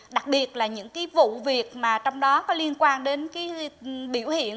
đặc biệt là những vụ việc trong đó có liên quan đến biểu hiện